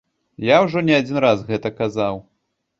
Я ўжо не адзін раз гэта казаў.